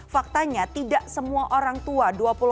faktanya tidak semua orang tua